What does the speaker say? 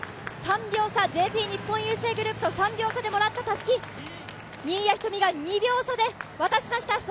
３秒差、ＪＰ日本郵政グループと３秒差でもらったたすき、新谷仁美が２秒差で渡しました。